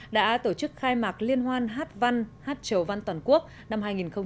đã tổ chức khai mạc liên hoan hát văn hát trầu văn toàn quốc năm hai nghìn hai mươi